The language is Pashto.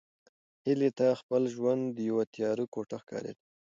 هیلې ته خپل ژوند یوه تیاره کوټه ښکارېده.